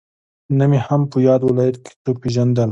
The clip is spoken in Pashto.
نه مې هم په ياد ولايت کې څوک پېژندل.